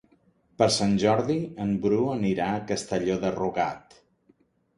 Per Sant Jordi en Bru anirà a Castelló de Rugat.